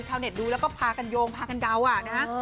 ชาวเน็ตดูแล้วก็พากันโยงพากันเดานะฮะ